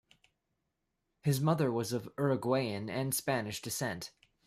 His mother was of Uruguayan and Spanish descent.